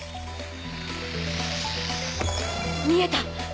見えた！